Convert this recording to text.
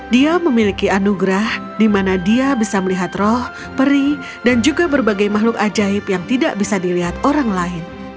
dia memiliki anugerah di mana dia bisa melihat roh peri dan juga berbagai makhluk ajaib yang tidak bisa dilihat orang lain